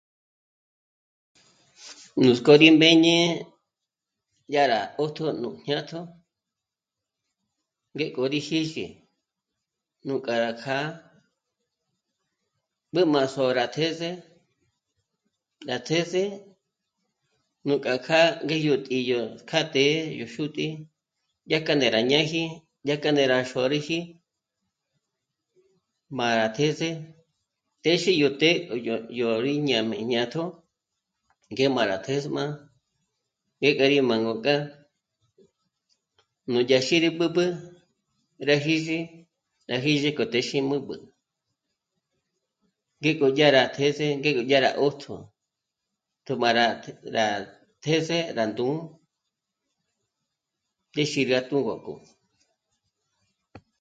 Nuts'k'ó rí mbéñe ya rà 'ójtjo nù jñátjo ngék'o rí jíxi nú kja rá kjâ'a nú ma sòrü tjéze rá tjéze nú kja kjâ'a ngé yó tǐ'i yá kjá të́'ë yó xútǐ'i, yá kja né'e rá ñáji, yá kja né'e rá xôrüji mbàra tjéze, téxe yo të́'ë 'o yó... yó rí ñájmé jñátjo ngé má rá tjésma í ga rí má ngok'a núdya xíri b'ǚb'ü rá jízhi, rá jízhi k'o téxi mä̀b'ä ngék'o dyá rá tjéze ngé gó dyà rá 'ójtjo tū̌b'a rá... tjéze rá ndú péxe ga tū̌b'a k'o